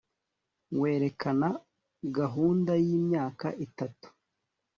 werekana gahunda y imyaka itatu